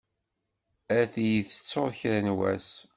Ad iyi-tettuḍ kra n wass.